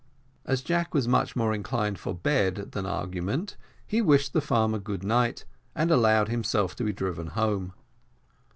As Jack was much more inclined for bed than argument, he wished the farmer good night, and allowed himself to be driven home.